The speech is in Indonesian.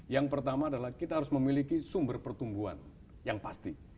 yang pertama adalah kita harus memiliki sumber pertumbuhan yang pasti